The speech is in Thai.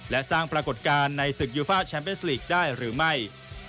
และสร้างปรากฏการณ์ในศึกยูฟ่าแมสลีกได้หรือไม่